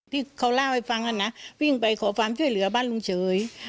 ที่เขาเล่าให้ฟังนะวิ่งไปขอความช่วยเหลือบ้านลุงเฉย